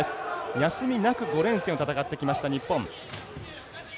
休みなく５連戦を戦ってきました日本。